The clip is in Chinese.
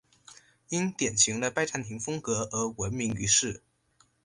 因典型的拜占庭风格而闻名于世。